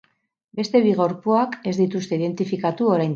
Beste bi gorpuak ez dituzte identifikatu oraindik.